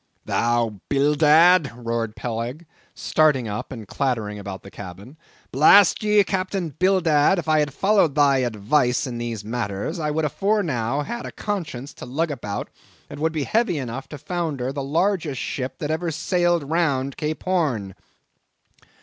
"Thou Bildad!" roared Peleg, starting up and clattering about the cabin. "Blast ye, Captain Bildad, if I had followed thy advice in these matters, I would afore now had a conscience to lug about that would be heavy enough to founder the largest ship that ever sailed round Cape Horn."